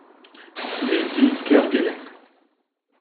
Les Îles Kerguelen.